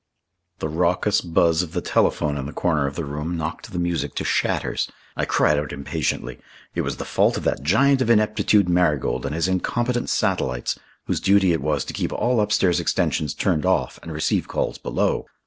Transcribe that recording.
The raucous buzz of the telephone in the corner of the room knocked the music to shatters. I cried out impatiently. It was the fault of that giant of ineptitude Marigold and his incompetent satellites, whose duty it was to keep all upstairs extensions turned off and receive calls below.